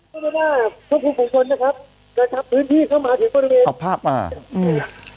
การขับพื้นที่เข้ามาถึงกรณ์เวียนเอาภาพมาอืม